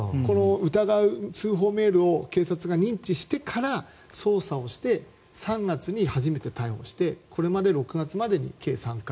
疑う通報メールを警察が認知してから捜査をして３月に初めて逮捕してこれまで６月までに計３回。